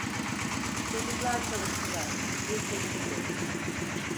Çocuklar çalıştılar, bir teşvik olur…